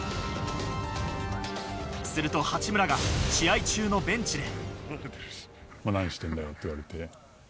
すると八村が試合中のベンチで。